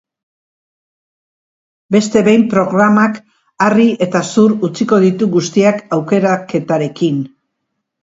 Beste behin, programak harri eta zur utziko ditu guztiak aukeraketarekin.